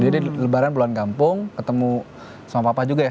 jadi lebaran pulang kampung ketemu sama papa juga ya